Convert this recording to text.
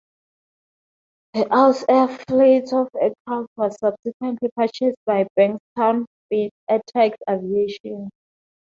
The Aus-Air fleet of aircraft was subsequently purchased by Bankstown-based Airtex Aviation.